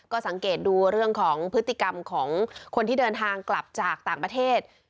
ก็สังเกตดูเรื่องของพฤติกรรมของคนที่เดินทางกลับจากต่างประเทศ